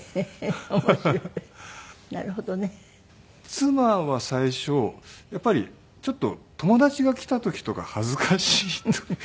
妻は最初やっぱりちょっと友達が来た時とか恥ずかしいという。